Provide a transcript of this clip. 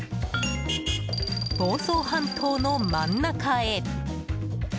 房総半島の真ん中へ。